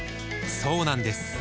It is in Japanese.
そうなんです